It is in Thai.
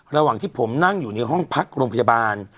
ระหว่างที่ผมนั่งอยู่ในห้องพักโรงพยาบาล